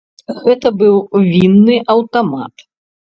Гэта быў вінны аўтамат.